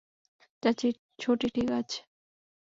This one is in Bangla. চাচি, ছোটি ঠিক আছে।